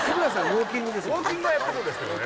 ウォーキングはやってるんですけどね